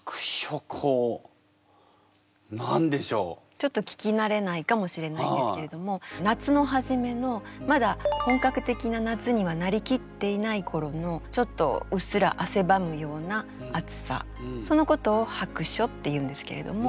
ちょっと聞き慣れないかもしれないんですけれども夏の初めのまだ本格的な夏にはなりきっていない頃のちょっとうっすら汗ばむような暑さそのことを「薄暑」っていうんですけれども。